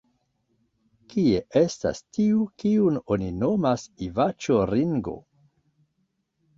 Kie estas tiu, kiun oni nomas Ivaĉjo Ringo?